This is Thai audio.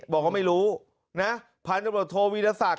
เบิ้ดโทรวีรสัก